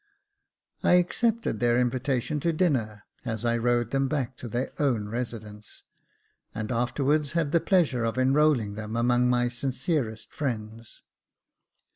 I accepted their invitation to dinner, as I rowed them back to their own residence ; and afterwards had the pleasure of enrolling them among my sincerest friends.